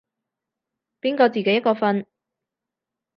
邊個自己一個瞓